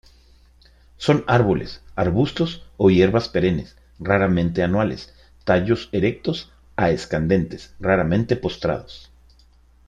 Son árboles, arbustos o hierbas perennes, raramente anuales; tallos erectos a escandentes, raramente postrados.